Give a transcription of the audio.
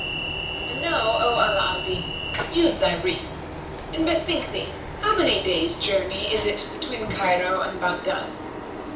And now, O Ala al Din, use thy reason and bethink thee how many days' journey it is between Cairo and Baghdad."